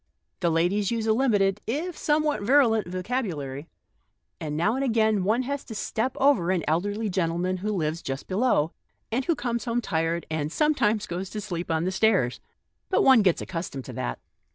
The ladies use a limited, if somewhat virulent, vocabulary, and now and again one has to step over an elderly gentleman who lives just below, and who comes home tired, and sometimes goes to sleep on the stairs. But one gets accus tomed to that."